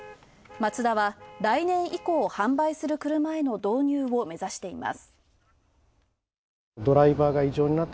マツダは来年以降、販売する車への導入を目指しています。